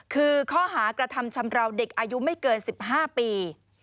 คือข้อหากระทำชำราวเด็กอายุไม่เกิน๑๕ปี